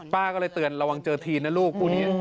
ป้าก็เลยเตือนระวังเจอทีนนะลูก